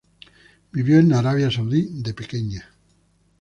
Vivió en Arabia Saudí de pequeña.